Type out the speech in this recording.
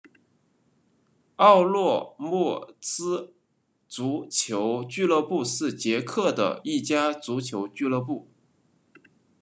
奥洛莫茨足球俱乐部是捷克的一家足球俱乐部。